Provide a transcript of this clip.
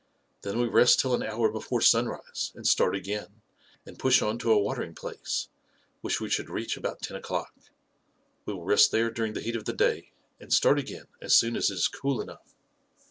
Then we rest till an hour before sun A KING IN BABYLON 95 rise, and start again, and push on to a watering* place, which we should reach about ten o'clock. We will rest there during the heat of the day, and start again as soon as it is cool enough.